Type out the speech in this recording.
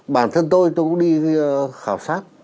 bản thân tôi tôi cũng đi khảo sát